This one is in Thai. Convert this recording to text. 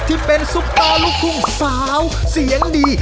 ที่เป็นสุขตาลุคุ้งสาวเสียงดี